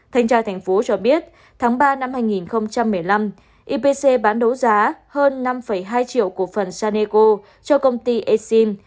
thành tra thành phố cho biết tháng ba năm hai nghìn một mươi năm ipc bán đấu giá hơn năm hai triệu cổ phần sadeco cho công ty exim